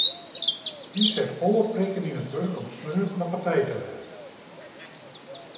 Hy set alle prikken yn it wurk om sneon fan de partij te wêze.